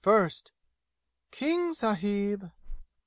First, "King sahib!"